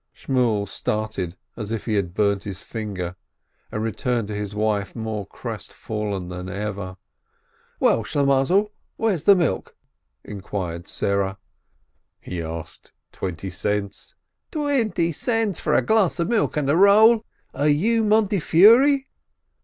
Shmuel started as if he had burnt his finger, and returned to his wife more crestfallen than ever. "Well, Shlimm mazel, where's the milk?" inquired Sarah. "He asked twenty cents." "Twenty cents for a glass of milk and a roll? Are you Montefiore?"